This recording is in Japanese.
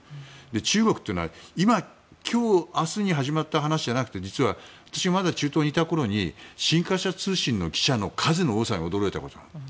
中国というのは今日明日に始まった話じゃなくて私が中東にいたころに新華社通信の記者の数の多さに驚いています。